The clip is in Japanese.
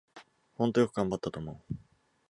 ほんとよく頑張ったと思う